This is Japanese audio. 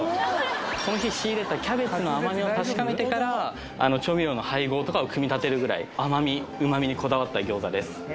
その日仕入れたキャベツの甘みを確かめてから調味料の配合とかを組み立てるぐらい甘み旨味にこだわった餃子です